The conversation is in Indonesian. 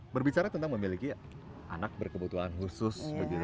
berbicara tentang memiliki anak berkebutuhan khusus